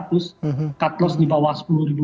cut loss di bawah sepuluh ribu tujuh ratus